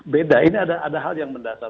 beda ini ada hal yang mendasar